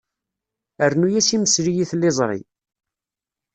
Rnu-as imesli i tliẓri.